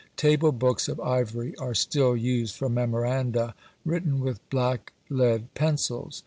Table books of ivory are still used for memoranda, written with black lead pencils.